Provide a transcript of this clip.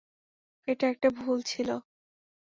এটা একটা ভুল ছিল।